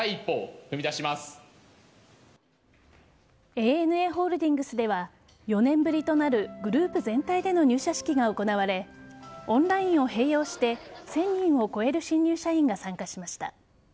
ＡＮＡホールディングスでは４年ぶりとなるグループ全体での入社式が行われオンラインを併用して１０００人を超える新入社員が参加しました。